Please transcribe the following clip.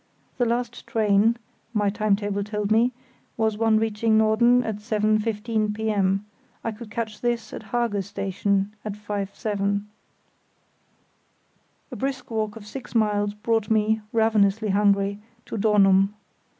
The last train (my time table told me) was one reaching Norden at 7.15 p.m. I could catch this at Hage Station at 7.5. A brisk walk of six miles brought me, ravenously hungry, to Dornum.